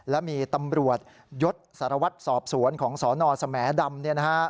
และมีตำรวจยศสารวัตรสอบสวนของสนสมดำ